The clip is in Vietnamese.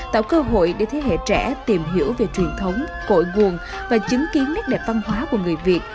tạo cơ hội để thế hệ trẻ tìm hiểu về truyền thống cội nguồn và chứng kiến nét đẹp văn hóa của người việt